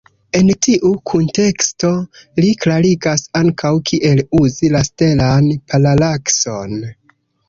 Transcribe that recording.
En tiu kunteksto li klarigas ankaŭ, kiel uzi la stelan paralakson.